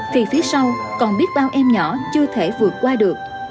thì phía sau còn biết bao em nhỏ chưa thể vượt qua được